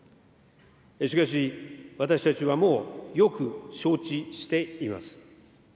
しかし、私たちはもうよく承知しています。